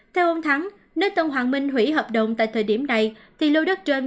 theo ông thắng nếu tân hoàng minh hủy hợp đồng tại thời điểm này thì lô đất trên